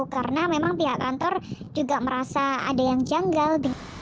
karena memang pihak kantor juga merasa ada yang janggal